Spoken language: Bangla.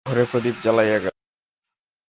ঘরে প্রদীপ জ্বালাইয়া গেল।